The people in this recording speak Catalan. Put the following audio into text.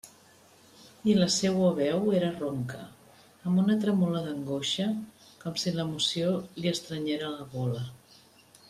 I la seua veu era ronca, amb una tremolor d'angoixa, com si l'emoció li estrenyera la gola.